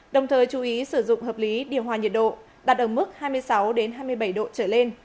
đồng thời chú ý sử dụng hợp lý điều hòa nhiệt độ đạt ở mức hai mươi sáu hai mươi bảy độ trở lên